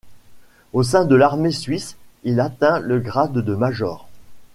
Au sein de l'armée suisse, il atteint le grade de major.